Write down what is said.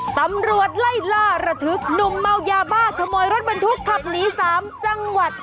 ตำรวจไล่ล่าระทึกหนุ่มเมายาบ้าขโมยรถบรรทุกขับหนี๓จังหวัด